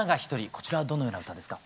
こちらはどのような歌ですか？